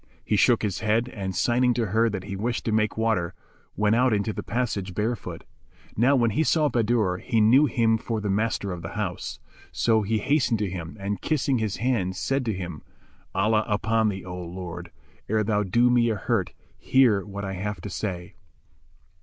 He shook his head and, signing to her that he wished to make water, went out into the passage barefoot. Now when he saw Bahadur he knew him for the master of the house; so he hastened to him and, kissing his hands, said to him, "Allah upon thee, O my lord, ere thou do me a hurt, hear what I have to say."